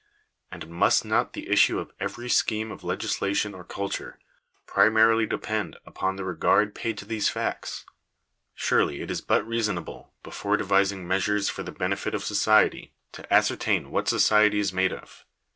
And must not the issue of every scheme of legis lation or culture, primarily depend upon the regard paid to these facts ? Surely it is but reasonable, before devising measures for the benefit of society, to ascertain what society is made of.